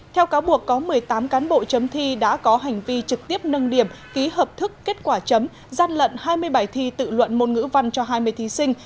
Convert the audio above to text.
theo cáo buộc có một mươi tám cán bộ chấm thi đã có hành vi trực tiếp nâng điểm ký hợp thức kết quả chấm gian lận hai mươi bài thi tự luận môn ngữ văn cho hai mươi thí sinh